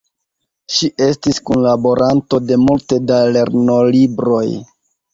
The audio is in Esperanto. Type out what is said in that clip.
Ŝi estis kunlaboranto de multe da lernolibroj.